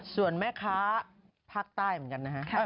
ส่วนแม่ค้าภาคใต้เหมือนกันนะฮะ